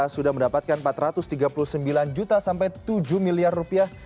sudah mendapatkan empat ratus tiga puluh sembilan juta sampai tujuh miliar rupiah